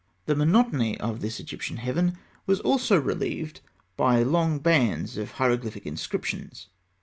The monotony of this Egyptian heaven was also relieved by long bands of hieroglyphic inscriptions.